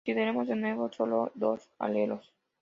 Consideremos de nuevo solo dos alelos.